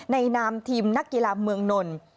นามทีมนักกีฬาเมืองนนท์